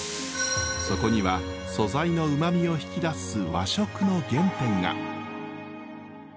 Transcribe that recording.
そこには素材のうまみを引き出す和食の原点が。